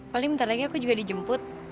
paling bentar lagi aku juga dijemput